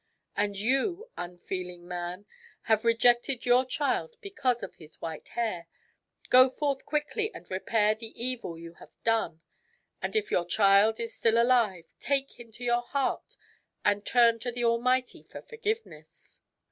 And you, unfeeling man, have rejected your child because of his white hair. Go forth quickly and repair the evil you 222 THIRTY MORE FAiMOUS STORIES have done. And if your child is still alive, take him to your heart and turn to the Almighty for forgiveness."